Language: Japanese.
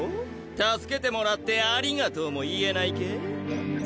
助けてもらって「ありがとう」も言えない系？